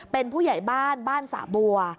เป็นผู้ใหญ่บ้านบ้านสะบัว